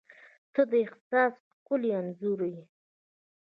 • ته د احساس ښکلی انځور یې.